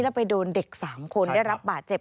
แล้วไปโดนเด็ก๓คนได้รับบาดเจ็บ